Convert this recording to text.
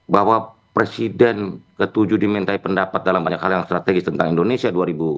bahwa presiden ke tujuh dimintai pendapat dalam banyak hal yang strategis tentang indonesia dua ribu dua puluh